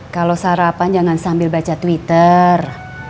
kalau sarapan jangan sambil baca twitter